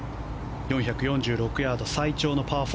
４４６ヤード、最長のパー４。